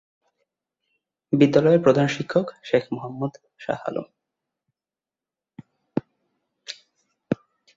বিদ্যালয়ের প্রধান শিক্ষক শেখ মোহাম্মদ শাহ আলম।